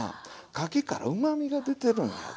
かきからうまみが出てるんやで。